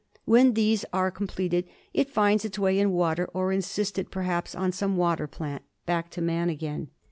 When these are com pleted it finds its way in water, or encysted perhaps on some water plant, back to man again.